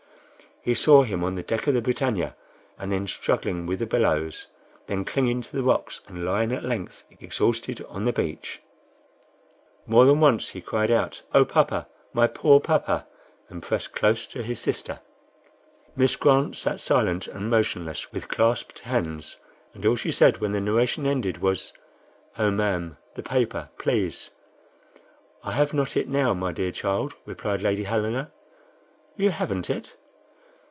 He saw him on the deck of the BRITANNIA, and then struggling with the billows, then clinging to the rocks, and lying at length exhausted on the beach. More than once he cried out, "Oh, papa! my poor papa!" and pressed close to his sister. Miss Grant sat silent and motionless, with clasped hands, and all she said when the narration ended, was: "Oh, ma'am, the paper, please!" "I have not it now, my dear child," replied Lady Helena. "You haven't it?"